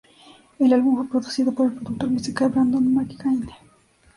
El álbum fue producido por el productor musical Brandon McKinney.